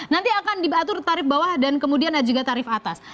nanti akan diatur tarif bawah dan kemudian juga tarif atas